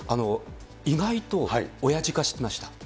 意外とオヤジ化してました。